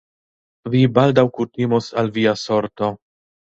Vi baldaŭ kutimos al via sorto...